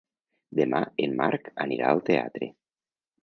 Demà en Marc anirà al teatre.